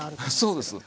そうです。